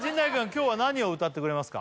今日は何を歌ってくれますか？